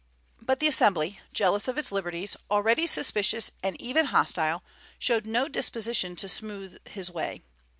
But the Assembly, jealous of its liberties, already suspicious and even hostile, showed no disposition to smooth his way.